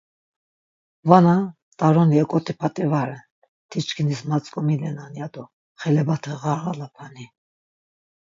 Vana; t̆aroni eǩot̆i p̌at̆i va ren, tiçkinis matzǩomilenan ya do xelebate ğarğalapani?